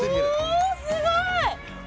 おおすごい！